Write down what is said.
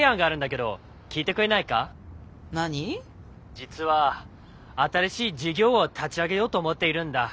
実は新しい事業を立ち上げようと思っているんだ。